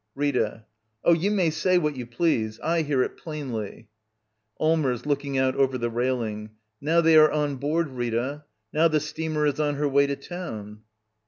Rita. Oh, you may say what you please — I hear it plainly. Allmers. [Looking out over the railing.] Now they are on board, Rita. Now the steamer is on her way to town.